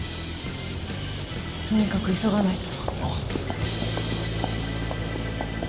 とにかく急がないと。